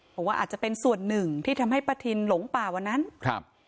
บอกว่าอาจจะเป็นส่วนหนึ่งที่ทำให้ป้าทินหลงป่าวันนั้นครับ